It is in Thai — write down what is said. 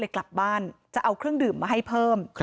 กลับบ้านจะเอาเครื่องดื่มมาให้เพิ่ม